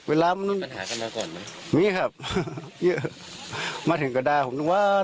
เวลามันมีครับมาถึงกระดาษผมนึงว้านสุด